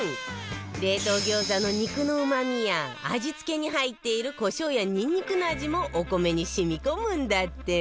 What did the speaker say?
冷凍餃子の肉のうまみや味付けに入っている胡椒やニンニクの味もお米に染み込むんだって